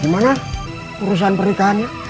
gimana urusan pernikahannya